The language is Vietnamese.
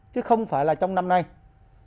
chứ không phải là trong năm học tiếp theo